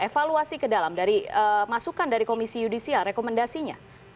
evaluasi ke dalam dari masukan dari komisi yudisial rekomendasinya